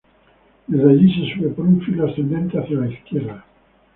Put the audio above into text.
Desde allí se sube por un filo ascendente hacia la izquierda.